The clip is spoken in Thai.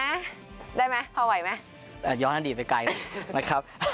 มาเชียร์ฟุรีรัมป์เกมครั้งที่๓๕ยินดาลยาววชนแห่งชาติที่นี้ด้วยนะคะ